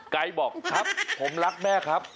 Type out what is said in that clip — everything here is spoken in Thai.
ไกด์บอกครับผมรักแม่ครับ